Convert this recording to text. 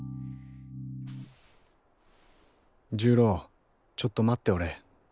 重郎ちょっと待っておれ。